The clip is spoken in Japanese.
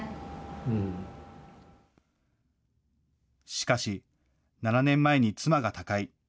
しかし、７年前に妻が他界。